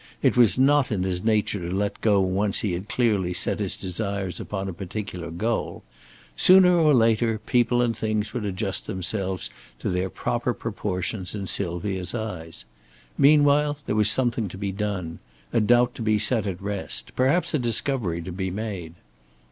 It was not in his nature to let go once he had clearly set his desires upon a particular goal. Sooner or later, people and things would adjust themselves to their proper proportions in Sylvia's eyes. Meanwhile there was something to be done a doubt to be set at rest, perhaps a discovery to be made.